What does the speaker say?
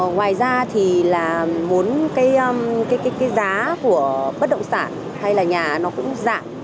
ngoài ra thì là muốn cái giá của bất động sản hay là nhà nó cũng giảm